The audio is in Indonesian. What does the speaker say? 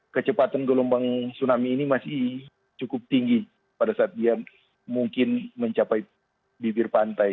kecepatan gelombang tsunami ini masih cukup tinggi pada saat dia mungkin mencapai bibir pantai